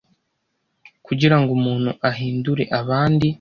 kugira ngo umuntu ahindure abandi